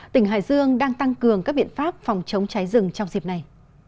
tỉnh hải dương đang tăng cường các biện pháp phòng chống cháy rừng trong dịp này